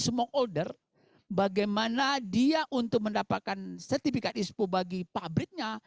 semua older bagaimana dia untuk mendapatkan sertifikat ispu bagi pabriknya